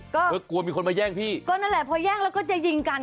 ก็เธอกลัวมีคนมาแย่งพี่ก็นั่นแหละพอแย่งแล้วก็จะยิงกัน